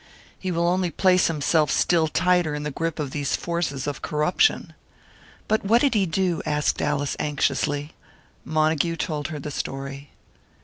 He will only place himself still tighter in the grip of these forces of corruption." "But what did he do?" asked Alice, anxiously. Montague told her the story.